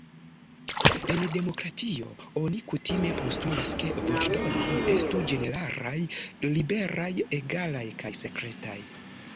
En demokratio, oni kutime postulas ke voĉdonoj estu ĝeneralaj, liberaj, egalaj kaj sekretaj.